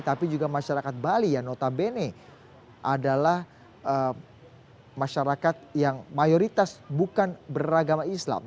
tapi juga masyarakat bali yang notabene adalah masyarakat yang mayoritas bukan beragama islam